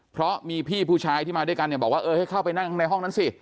เพราะมีพี่ผู้ชายที่มาด้วยกันเนี่ยบอกว่าเออให้เข้าไปนั่งในห้องนั้นสิ